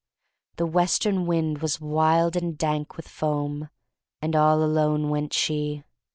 The western wind was wild and dank with foam, And all alone went she.